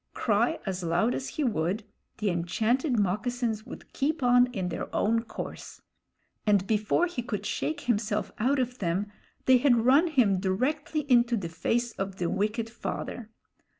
Cry as loud as he would, the enchanted moccasins would keep on in their own course; and before he could shake himself out of them, they had run him directly into the face of the wicked father.